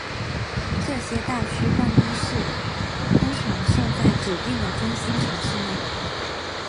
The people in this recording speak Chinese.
这些大区办公室通常设在指定的中心城市内。